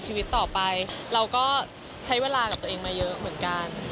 ชีวิตต่อไปเราก็ใช้เวลากับตัวเองมาเยอะเหมือนกัน